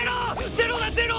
ゼロだゼロ！